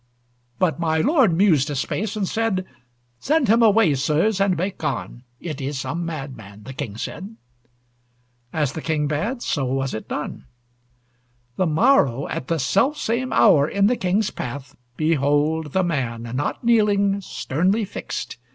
But my lord mused a space, and said: "Send him away, sirs, and make on! It is some madman!" the King said. As the King bade, so was it done. The morrow, at the self same hour, In the King's path, behold, the man, Not kneeling, sternly fixed!